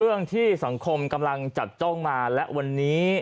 เรื่องที่สังคมกำลังจับจ้องมาและวันนี้